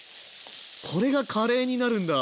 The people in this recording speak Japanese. これがカレーになるんだ！